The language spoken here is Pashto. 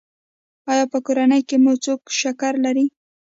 ایا په کورنۍ کې مو څوک شکر لري؟